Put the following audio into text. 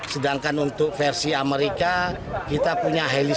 sedangkan untuk versi amerika kita punya heli serangnya